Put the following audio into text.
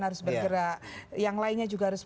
harus bergerak yang lainnya juga harus